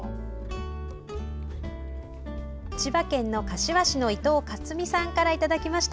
千葉県柏市の伊藤かつみさんからいただきました。